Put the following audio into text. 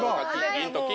銀と金！